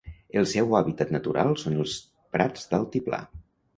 El seu hàbitat natural són els prats d'altiplà.